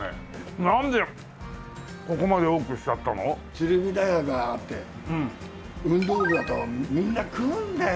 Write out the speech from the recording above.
鶴見大学があって運動部だとみんな食うんだよね。